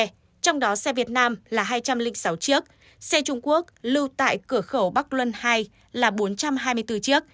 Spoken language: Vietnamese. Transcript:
trong đó xe việt nam là hai trăm linh sáu chiếc xe trung quốc lưu tại cửa khẩu bắc luân ii là bốn trăm hai mươi bốn chiếc